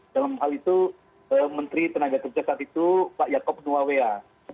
dalam hal itu menteri tenaga kerja saat itu pak yakob nuawea